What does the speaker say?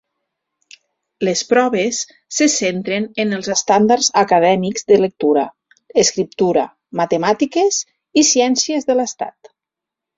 Les proves se centren en els estàndards acadèmics de lectura, escriptura, matemàtiques i ciències de l'Estat.